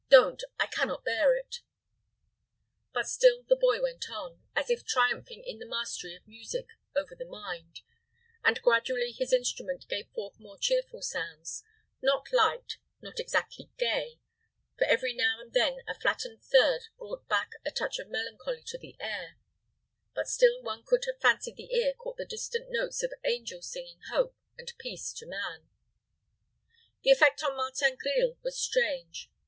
don't! I can not bear it!" But still the boy went on, as if triumphing in the mastery of music over the mind, and gradually his instrument gave forth more cheerful sounds; not light, not exactly gay, for every now and then a flattened third brought back a touch of melancholy to the air, but still one could have fancied the ear caught the distant notes of angels singing hope and peace to man. The effect on Martin Grille was strange.